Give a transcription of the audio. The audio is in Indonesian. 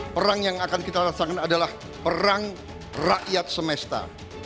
perang yang akan kita rasakan adalah perang rakyat semesta